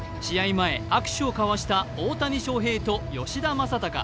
前、握手を交わした大谷翔平と吉田正尚。